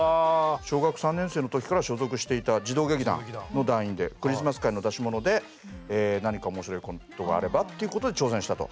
小学３年生の時から所属していた児童劇団の団員でクリスマス会の出し物で何か面白いことがあればっていうことで挑戦したと。